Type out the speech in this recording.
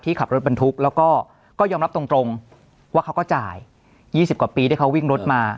ที่ขับรถบรรทุกแล้วก็ก็ยอมรับตรงตรงว่าเขาก็จ่ายยี่สิบกว่าปีได้เขาวิ่งรถมา